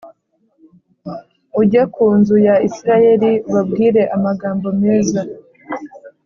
ujye ku inzu ya Isirayeli ubabwire amagambo meza.